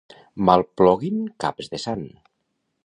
Mal ploguin caps de sant!